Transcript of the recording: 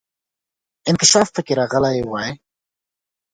انکشاف پکې راغلی وای.